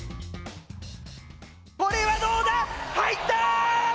これはどうだ、入った！